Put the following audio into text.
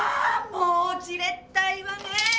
もうじれったいわねえ！